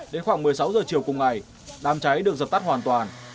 đến khoảng một mươi sáu giờ chiều cùng ngày đám cháy được dập tắt hoàn toàn